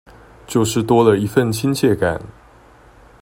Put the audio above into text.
就是多了一分親切感